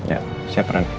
ya siap ren